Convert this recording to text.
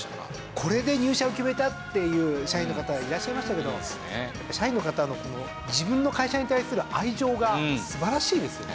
これで入社を決めたっていう社員の方いらっしゃいましたけど社員の方の自分の会社に対する愛情が素晴らしいですよね。